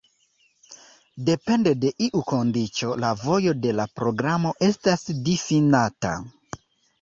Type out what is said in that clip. Depende de iu kondiĉo la vojo de la programo estas difinata.